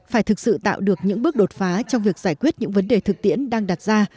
phải thực sự tạo được những bước đột phá trong việc giải quyết những vấn đề thực tiễn đang đặt ra